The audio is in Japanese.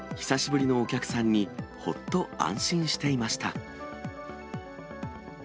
久しぶりのお客さんに、ほっと安心していました。